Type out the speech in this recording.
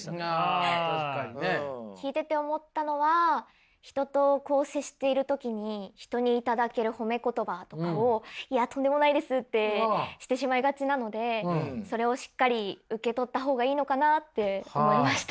聞いてて思ったのは人と接している時に人に頂ける褒め言葉とかを「いやとんでもないです」ってしてしまいがちなのでそれをしっかり受け取った方がいいのかなって思いました。